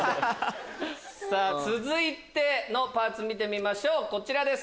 続いてのパーツ見てみましょうこちらです。